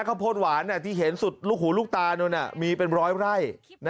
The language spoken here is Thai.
ข้าวโพดหวานที่เห็นสุดลูกหูลูกตานนมีเป็นร้อยไร่